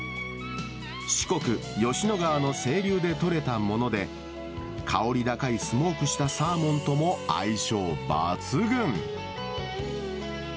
四国・吉野川の清流で取れたもので、香り高いスモークしたサーモンとも相性抜群。